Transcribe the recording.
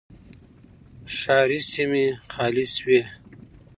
ښاري سیمې خالي شوې.